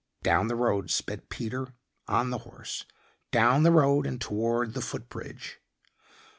Down the road sped Peter on the horse down the road and towards the foot bridge.